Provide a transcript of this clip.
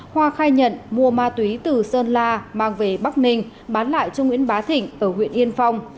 hoa khai nhận mua ma túy từ sơn la mang về bắc ninh bán lại cho nguyễn bá thịnh ở huyện yên phong